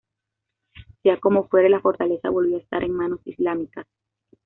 Sea como fuere, la fortaleza volvió a estar en manos islámicas.